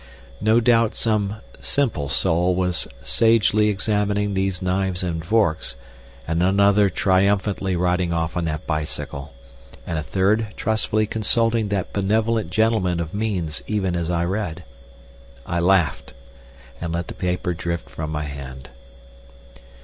No doubt some simple soul was sagely examining these knives and forks, and another triumphantly riding off on that bicycle, and a third trustfully consulting that benevolent gentleman of means even as I read. I laughed, and let the paper drift from my hand.